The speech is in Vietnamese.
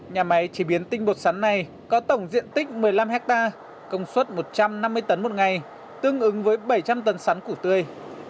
nhà máy chế biến tinh bột sắn này có tổng diện tích một mươi năm hectare công suất một trăm năm mươi tấn một ngày tương ứng với bảy trăm linh tấn sắn củ tươi